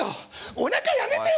おなかやめてよ！